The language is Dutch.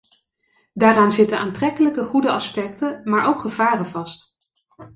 Daaraan zitten aantrekkelijke, goede aspecten, maar ook gevaren vast.